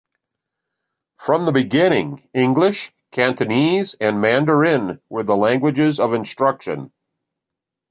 From the beginning, English, Cantonese, and Mandarin were the languages of instruction.